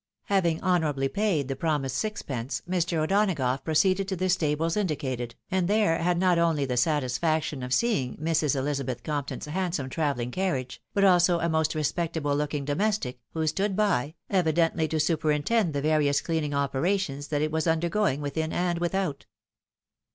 Having honourably paid the promised sixpence, Mr. O'Donagough pro ceeded to the stables indicated, and there had not only the FOETUNE HUNTING. 155 Batisfaction of seeing Mrs. Elizabeth Compton's handsome travel ling carriage, but also a most respectable looking domestic, who stood by, evidently to superintend the various cleaning opera tions that it was undergoing within and without.